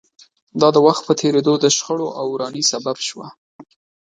دا د وخت په تېرېدو د شخړو او ورانۍ سبب شوه